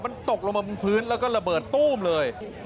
มันตกลงมาบนพื้นแล้วก็ระเบิดตู้มเลย